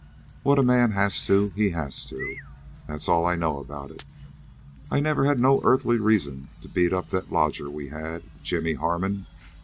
What a man has to, he has to. That's all I know about it. I never had no earthly reason to beat up that lodger we had, Jimmy Harmon.